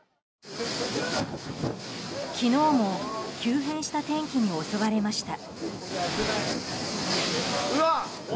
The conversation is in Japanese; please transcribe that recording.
昨日も急変した天気に襲われました。